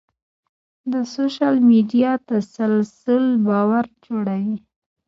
د سوشل میډیا تسلسل باور جوړوي.